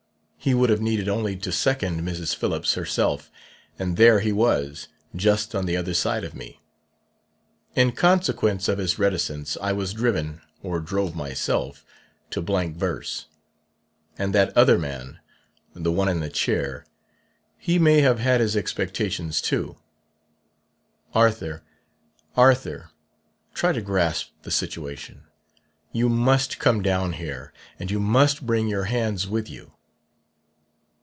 He would have needed only to second Mrs. Phillips herself; and there he was, just on the other side of me. In consequence of his reticence I was driven or drove myself to blank verse. And that other man, the one in the chair; he may have had his expectations too. Arthur, Arthur, try to grasp the situation! You must come down here, and you must bring your hands with you.